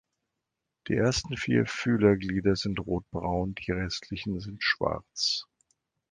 Die ersten vier Fühlerglieder sind rotbraun, die restlichen sind schwarz.